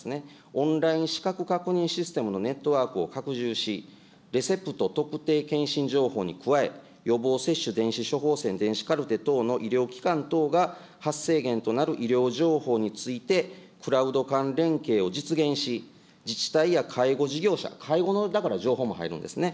オンライン資格確認システムのネットワークを拡充し、レセプト・特定健診情報に加え、予防接種、電子処方箋、電子カルテ等の医療機関等が発生源となる医療情報について、クラウド間連携を実現し、自治体や介護事業者、介護のだから情報も入るんですね。